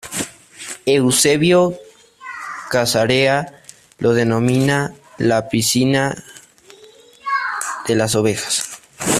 Eusebio de Cesarea lo denomina "la piscina de las ovejas".